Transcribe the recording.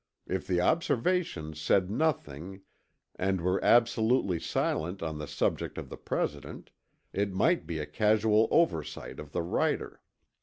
If the Observations said nothing and were absolutely silent on the subject of the President, it might be a casual oversight of the writer.